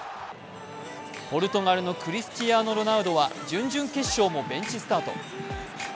ポルトガルのクリスチアーノ・ロナウドは準々決勝もベンチスタート。